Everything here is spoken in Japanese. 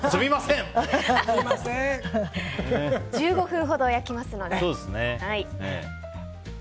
１５分ほど焼きますので。